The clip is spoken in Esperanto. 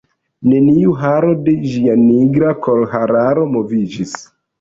Neniu haro de ĝia nigra kolhararo moviĝis.